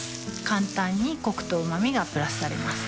簡単にコクとうま味がプラスされます